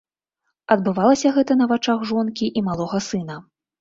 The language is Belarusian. Адбывалася гэта на вачах жонкі і малога сына.